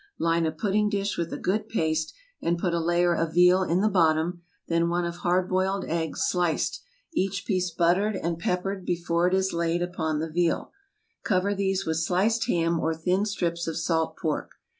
Line a pudding dish with a good paste and put a layer of veal in the bottom; then one of hard boiled eggs sliced, each piece buttered and peppered before it is laid upon the veal; cover these with sliced ham or thin strips of salt pork.